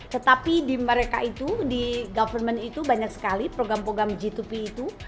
tetapi di mereka itu di government itu banyak sekali program program g dua p itu